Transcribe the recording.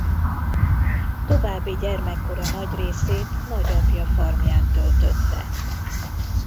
További gyermekkora nagy részét nagyapja farmján töltötte.